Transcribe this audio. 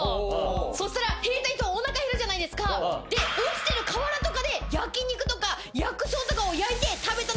そしたら兵隊っておなか減るじゃないですか。で落ちてる瓦とかで焼き肉とか薬草とかを焼いて食べたのが発祥なんです。